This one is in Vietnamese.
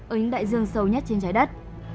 ở những đại dương sâu nhất trên trái đất